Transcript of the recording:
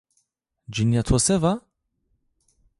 Cinîya to se va?